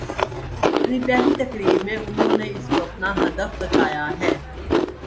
اپنی پہلی تقریر میں انہوں نے اس کو اپناہدف بتایا ہے۔